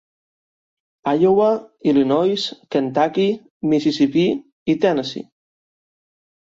Iowa, Illinois, Kentucky, Mississipí i Tennessee.